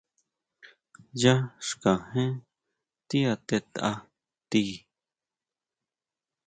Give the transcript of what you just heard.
Yá xkajén ti atetʼa tíi.